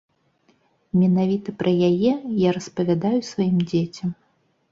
Менавіта пра яе я распавядаю сваім дзецям.